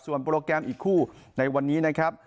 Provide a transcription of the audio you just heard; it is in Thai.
โปรแกรมอีกคู่ในวันนี้นะครับ